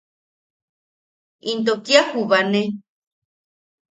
¡Into kia jubane!